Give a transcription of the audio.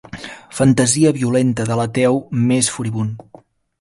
Fantasia violenta de l'ateu més furibund.